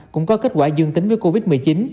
cũng có kết quả dương tính với covid một mươi chín